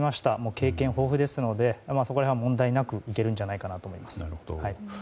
経験豊富ですのでそこら辺は問題なくいけるんじゃないかと思います。